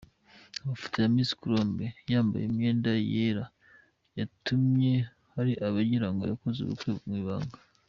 Amafoto ya Miss Colombe yambaye imyenda yera yatumye hari abagirango yakoze ubukwe mu ibanga.